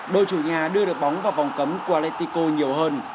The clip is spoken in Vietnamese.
đội chủ nhà đưa được bóng vào vòng cấm qualetico nhiều hơn